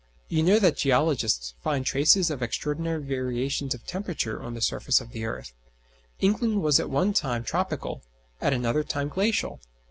You know that geologists find traces of extraordinary variations of temperature on the surface of the earth. England was at one time tropical, at another time glacial.